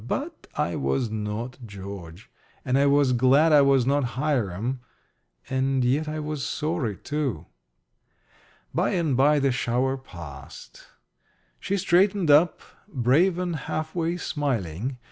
But I was not George. And I was glad I was not Hiram and yet I was sorry, too. By and by the shower passed. She straightened up, brave and half way smiling.